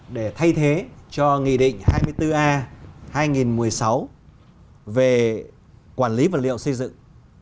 để thay thế cho nghị định hai mươi bốn a hai nghìn một mươi sáu về quản lý vật liệu xây dựng